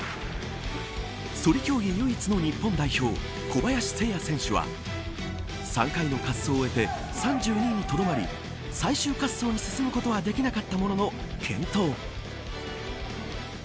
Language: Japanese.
そり競技唯一の日本代表小林誠也選手は３回の滑走を終えて３２位にとどまり最終滑走に進むことはできなかったものの健闘。